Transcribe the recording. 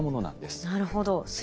なるほど。